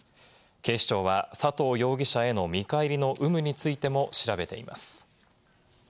警視庁は佐藤容疑者への見返りの有無についても調べています。